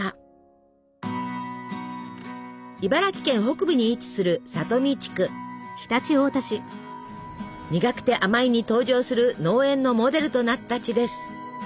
茨城県北部に位置する「にがくてあまい」に登場する農園のモデルとなった地です。